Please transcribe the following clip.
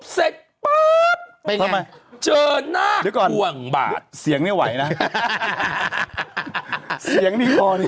สะหน่ายพี่นุ่ม